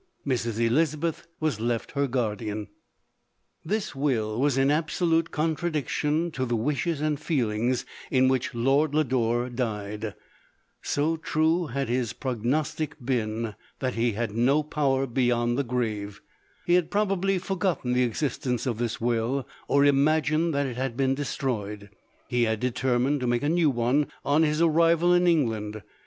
Mrs. Elizabeth was left her guardian. This will was in absolute contradiction to the wishes and feelings in which Lord Lodoredied; so true had his prognostic been, that he had no power beyond the • He had probably forgotten the existence of this will, or imagined that it had been destroyed : he had determined to make a new one on his arrival in England.